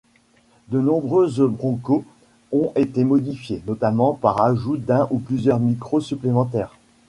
De nombreuses Bronco ont été modifiées, notamment par ajout d'un ou plusieurs micros supplémentaires.